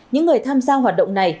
những người tham gia hoạt động này